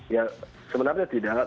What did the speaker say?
ya sebenarnya tidak